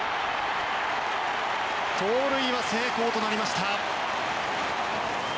盗塁は成功となりました。